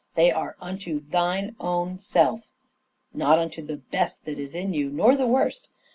They are, " unto thine own self ;" not unto the best that is in you, nor the worst.